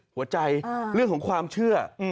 หัวใจเรื่องของความเชื่อ